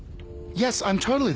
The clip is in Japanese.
いや。